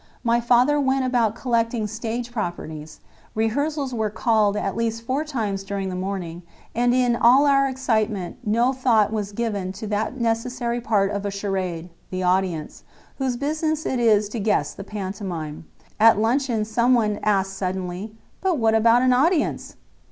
My father went about collecting "stage properties," rehearsals were "called" at least four times during the morning, and in all our excitement no thought was given to that necessary part of a charade, the audience, whose business it is to guess the pantomime. At luncheon someone asked suddenly: "But what about an audience?"